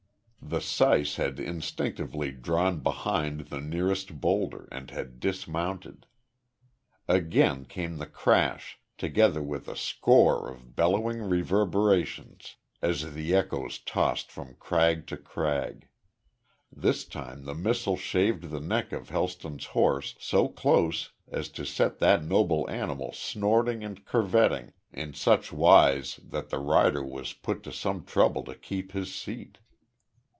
The syce had instinctively drawn behind the nearest boulder, and had dismounted. Again came the crash, together with a score of bellowing reverberations as the echoes tossed from crag to crag. This time the missile shaved the neck of Helston's horse so close as to set that noble animal snorting and curvetting in such wise that the rider was put to some trouble to keep his seat.